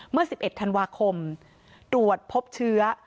เมื่อ๑๑ธันวาคมตรวจพบเชื้อ